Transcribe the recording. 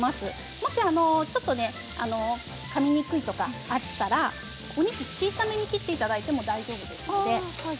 もし、ちょっとかみにくいとかあったらお肉を小さめに切っていただいても大丈夫です。